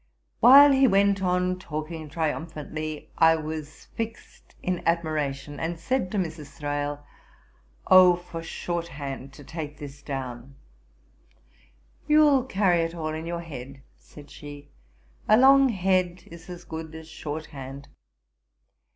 While he went on talking triumphantly, I was fixed in admiration, and said to Mrs. Thrale, 'O, for short hand to take this down!' 'You'll carry it all in your head; (said she;) a long head is as good as short hand.'